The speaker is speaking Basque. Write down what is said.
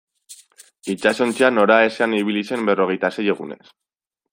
Itsasontzia noraezean ibili zen berrogeita sei egunez.